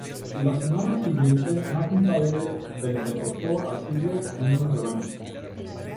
La semana siguiente McIntyre del derrotó a Ziggler en una revancha.